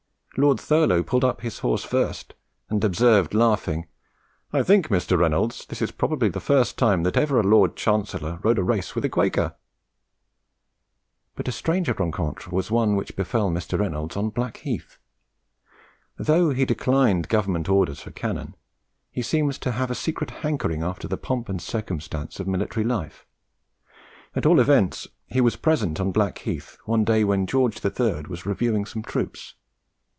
Lord Thurlow pulled up his horse first, and observed, laughing, "I think, Mr. Reynolds, this is probably the first time that ever a Lord Chancellor rode a race with a Quaker!" But a stranger rencontre was one which befel Mr. Reynolds on Blackheath. Though he declined Government orders for cannon, he seems to have had a secret hankering after the "pomp and circumstance" of military life. At all event's he was present on Blackheath one day when George III. was reviewing some troops.